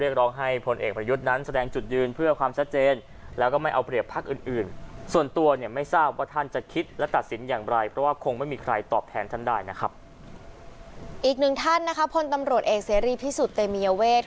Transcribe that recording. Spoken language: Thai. อีกหนึ่งท่านนะคะพลตำรวจเอกเสรีพิสุทธิ์เตมียเวท